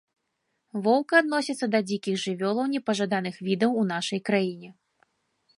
Воўк адносіцца да дзікіх жывёлаў непажаданых відаў у нашай краіне.